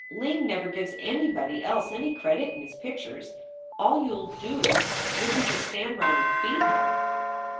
Ling never gives anybody else any credit in his pictures. All you ll do will be to stand round and feed him."